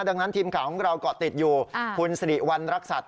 ดังนั้นทีมข่าวของเราเกาะติดอยู่คุณสิริวัณรักษัตริย